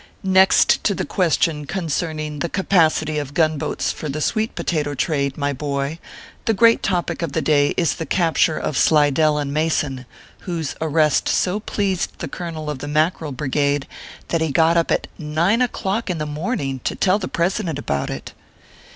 Next to the question concerning the capacity of gunboats for the sweet potato trade, my boy, the great topic of the day is the capture of Slidell and Mason, whose arrest so pleased the colonel of the Mackerel Brigade, that he got up at nine o clock in the morning to tell the President about it.